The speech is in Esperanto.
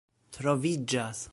troviĝas